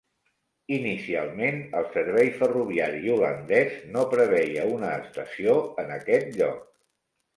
Inicialment, el servei ferroviari holandès no preveia una estació en aquest lloc.